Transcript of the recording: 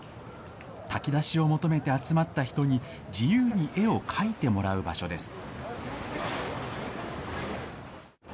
炊き出しを求めて集まった人に、自由に絵を描いてもらう場所です。